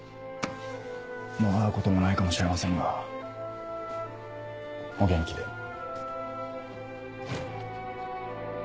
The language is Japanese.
もう会うこともないかもしれませんがお元気で。